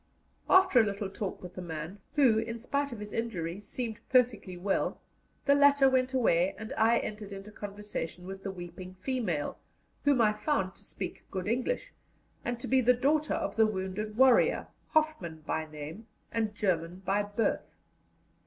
After a little talk with the man, who, in spite of his injuries, seemed perfectly well, the latter went away, and I entered into conversation with the weeping female, whom I found to speak good English, and to be the daughter of the wounded warrior, Hoffman by name and German by birth.